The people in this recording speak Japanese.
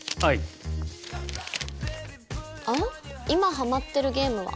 「今ハマってるゲームは？」